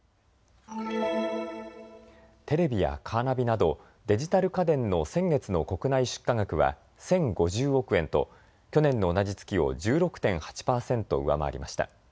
テレビやカーナビなどデジタル家電の先月の国内出荷額は１０５０億円と去年の同じ月を１６．８％上回りました。